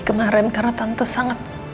kemarin karena tante sangat